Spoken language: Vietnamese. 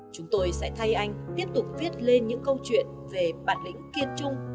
chúng tôi sẽ thay anh tiếp tục viết lên những câu chuyện về bản lĩnh kiên trung